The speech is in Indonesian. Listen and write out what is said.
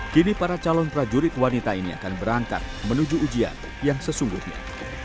kini para calon prajurit wanita ini akan berangkat menuju ujian yang sesungguhnya